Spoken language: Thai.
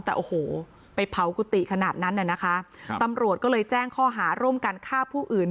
แต่โอ้โหไปเผากุฏิขนาดนั้นน่ะนะคะครับตำรวจก็เลยแจ้งข้อหาร่วมกันฆ่าผู้อื่น